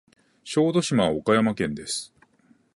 小豆島は岡山県です。